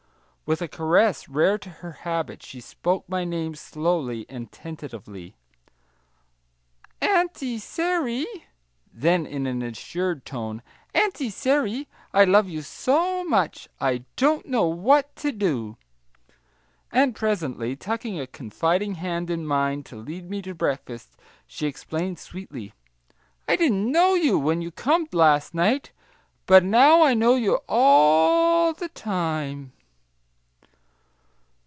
With a caress rare to her habit she spoke my name, slowly and tentatively, "An ty Sai ry?" Then, in an assured tone, "Anty Sairy, I love you so much I don't know what to do!" And, presently, tucking a confiding hand in mine to lead me to breakfast, she explained sweetly, "I didn' know you when you comed las' night, but now I know you all th' time!"